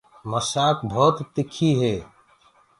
مُسآڪ ڀوت تِکي تي۔